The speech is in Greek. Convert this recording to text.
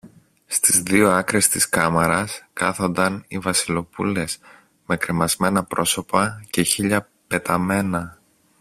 στις δυο άκρες της κάμαρας, κάθονταν οι Βασιλοπούλες με κρεμασμένα πρόσωπα και χείλια πεταμένα